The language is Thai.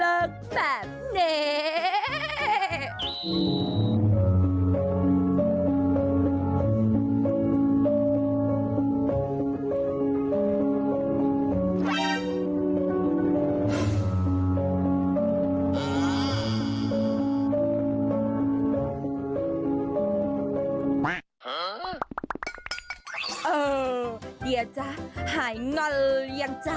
เออเดี๋ยจ๊ะหายงนยังจ๊ะ